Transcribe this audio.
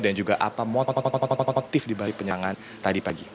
dan juga apa yang mau aktif dibagi penyerangan tadi pagi